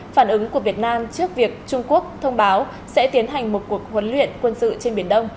phản ứng của việt nam trước việc trung quốc thông báo sẽ tiến hành một cuộc huấn luyện quân sự trên biển đông